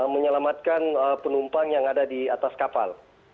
menyelamatkan penumpang yang ada di atas kapal